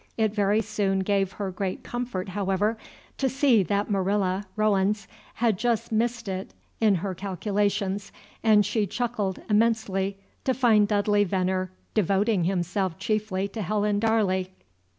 It very soon gave her great comfort, however, to see that Marilla, Rowens had just missed it in her calculations, and she chuckled immensely to find Dudley Veneer devoting himself chiefly to Helen Darley.